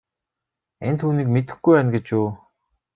Энэ түүнийг мэдэхгүй байна гэж үү.